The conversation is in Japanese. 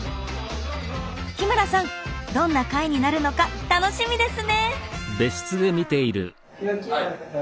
日村さんどんな会になるのか楽しみですね。